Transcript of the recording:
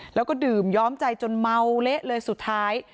แล้วก็ดื่มย้อมใจจนเมาเละเลยสุดท้าย